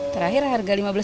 terakhir harga lima belas